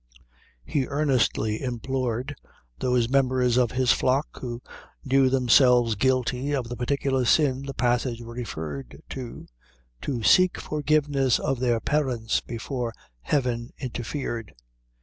He earnestly implored those members of his flock who knew themselves guilty of the particular sin the passage referred to, to seek forgiveness of their parents before Heaven interfered.